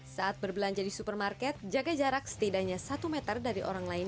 saat berbelanja di supermarket jaga jarak setidaknya satu meter dari orang lain